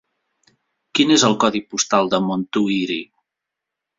Quin és el codi postal de Montuïri?